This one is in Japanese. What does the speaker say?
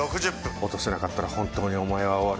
落とせなかったら本当にお前は終わる。